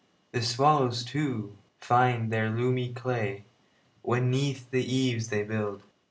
The swallows, too, find there the loamy clayWhen 'neath the eaves they build.